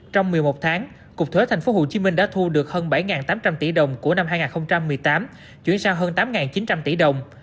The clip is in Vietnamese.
trong một mươi một tháng cục thuế tp hcm đã thu được hơn bảy tám trăm linh tỷ đồng của năm hai nghìn một mươi tám chuyển sang hơn tám chín trăm linh tỷ đồng